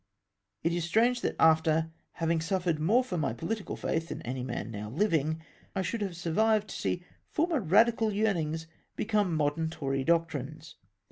It is strange that, after having suffered more for my pohtical faith than any man now hving, I should have survived to see former Eadical yearnings become modern Tory doctrines.